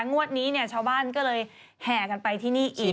งวดนี้เนี่ยชาวบ้านก็เลยแห่กันไปที่นี่อีก